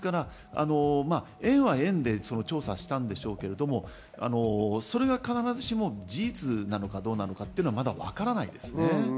園は園で調査したんでしょうけども、それが必ずしも事実なのかどうかというのはまだ分からないですね。